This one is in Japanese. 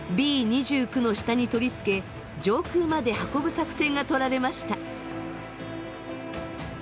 Ｂ２９の下に取り付け上空まで運ぶ作戦がとられました。